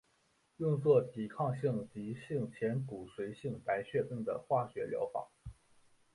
用作抵抗性急性前骨髓性白血病的化学疗法。